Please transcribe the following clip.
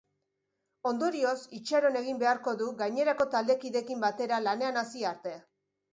Ondorioz, itxaron egin beharko du gainerako taldekideekin batera lanean hasi arte.